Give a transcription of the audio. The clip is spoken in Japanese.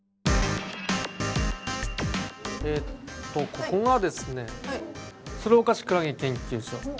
ここがですね鶴岡市クラゲ研究所。